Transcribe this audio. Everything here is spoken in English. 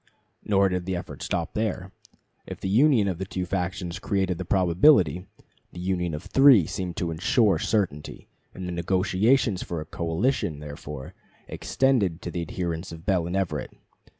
Nor did the efforts stop there. If the union of the two factions created the probability, the union of three seemed to insure certainty, and the negotiations for a coalition, therefore, extended to the adherents of Bell and Everett.